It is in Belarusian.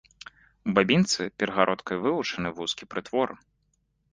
У бабінцы перагародкай вылучаны вузкі прытвор.